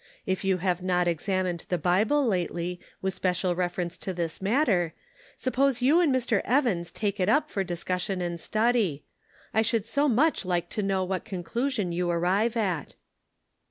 If you have not examined the Bible lately with special reference to this matter, suppose 3rou and Mr. Evans take it up for discussion and study. I should so much like to know what conclusion you will arrive at."